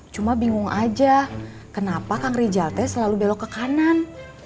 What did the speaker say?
cuma bingung aja kenapa kang rijalnya selalu belok ke kanan